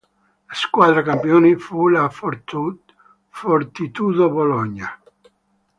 La squadra campione fu la Fortitudo Bologna.